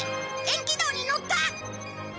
円軌道に乗った！